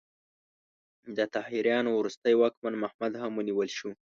د طاهریانو وروستی واکمن محمد هم ونیول شو.